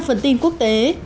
phần tin quốc tế